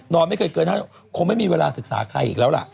ไม่เคยเกินคงไม่มีเวลาศึกษาใครอีกแล้วล่ะ